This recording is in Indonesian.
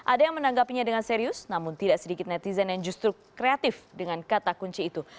ada yang menanggapinya dengan serius namun tidak sedikit netizen yang justru kreatif dengan kata kunci itu